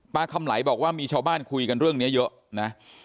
คำไหลบอกว่ามีชาวบ้านคุยกันเรื่องนี้เยอะนะ